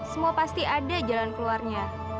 semua pasti ada jalan keluarnya